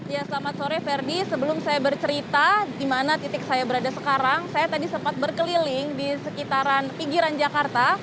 ya selamat sore ferdi sebelum saya bercerita di mana titik saya berada sekarang saya tadi sempat berkeliling di sekitaran pinggiran jakarta